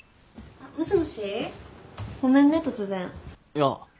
いや。